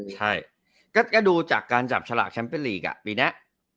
ใช่ก็ดูจากการจับฉลากแชมป์เป็นลีกปีนี้